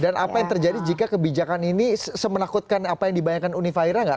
dan apa yang terjadi jika kebijakan ini semenakutkan apa yang dibayangkan uni fahira